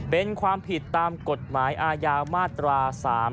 เป็นความผิดตามกฎหมายอาญามาตรา๓๔